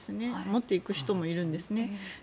持っていく人もいるんです。